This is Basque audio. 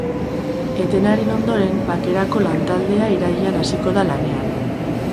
Etenaren ondoren, bakerako lantaldea irailean hasiko da lanean.